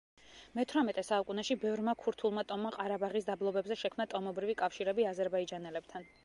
მეთვრამეტე საუკუნეში ბევრმა ქურთულმა ტომმა ყარაბაღის დაბლობებზე შექმნა ტომობრივი კავშირები აზერბაიჯანელებთან.